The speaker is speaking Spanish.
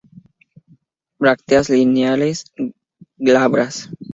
Brácteas lineares, glabras.